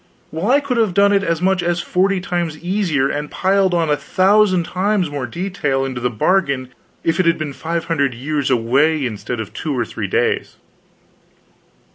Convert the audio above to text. "Well, I could have done it as much as forty times easier, and piled on a thousand times more detail into the bargain, if it had been five hundred years away instead of two or three days."